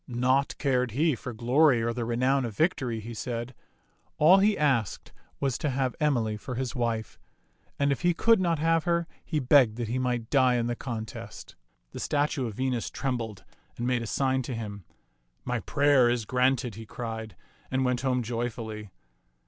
Naught cared he for glory or the renown of victory, he said ; all he asked was to have Emily for his wife; and if he could not have her, he begged that he might die in the contest. The statue of Venus trembled and made a sign to him. " My prayer is granted," he cried, and went home joyfully.